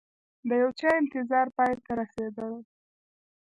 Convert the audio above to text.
د یوچا انتظار پای ته رسیدلي